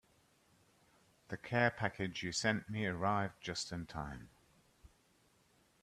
The care package you sent me arrived just in time.